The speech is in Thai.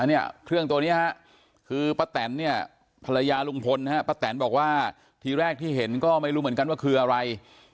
อันนี้เครื่องแฟรยาลุงพลปราตานที่เห็นก็ไม่รู้เหมือนกันว่าคืออะไร